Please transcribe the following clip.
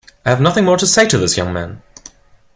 I have nothing more to say to this young man!